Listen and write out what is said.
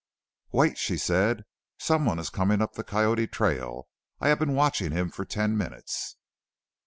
"Wait," she said; "someone is coming up the Coyote trail. I have been watching him for ten minutes."